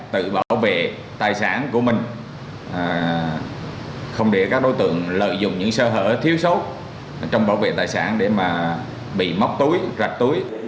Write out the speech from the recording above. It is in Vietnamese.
tự bảo vệ tài sản của mình không để các đối tượng lợi dụng những sơ hở thiếu sót trong bảo vệ tài sản để mà bị móc túi rạch túi